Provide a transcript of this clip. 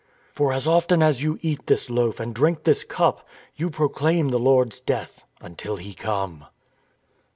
" For as often as you eat this loaf and drink this cup, you proclaim the Lord's death until He come."